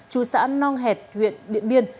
chủ xã nong hẹt huyện điện biên